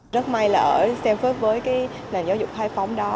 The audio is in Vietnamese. rất may là ở stanford với cái nền giáo dục khai phóng đó